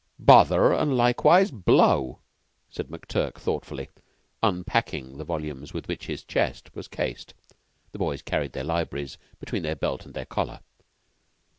"'Bother! Likewise blow!'" said McTurk thoughtfully, unpacking the volumes with which his chest was cased. The boys carried their libraries between their belt and their collar.